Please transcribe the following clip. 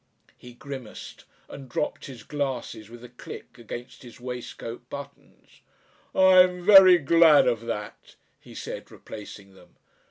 He grimaced and dropped his glasses with a click against his waistcoat buttons. "I'm very glad of that," he said, replacing them.